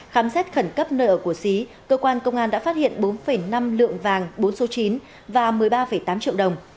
khám xét khẩn cấp nơi ở của xí cơ quan công an đã phát hiện bốn năm lượng vàng bốn số chín và một mươi ba tám triệu đồng